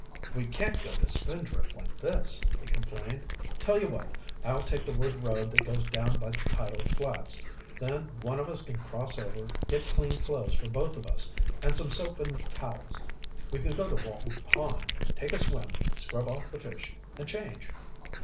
"We can't go to Spindrift like this," he complained. "Tell you what, I'll take the wood road that goes down by the tidal flats. Then one of us can cross over, get clean clothes for both of us and some soap and towels. We can go to Walton's Pond, take a swim, scrub off the fish, and change."